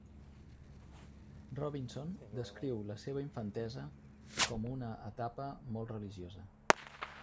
Robinson descriu la seva infantesa com una etapa molt religiosa.